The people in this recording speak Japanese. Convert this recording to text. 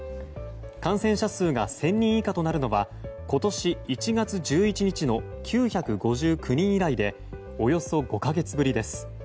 感染者が１０００人以下となるのは今年１月１１日の９５９人以来でおよそ５か月ぶりです。